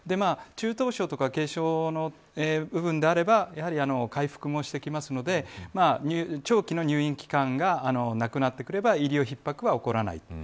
中等症とか軽症の部分であれば回復もしてきますので長期の入院期間がなくなってくれば医療逼迫は起こらない。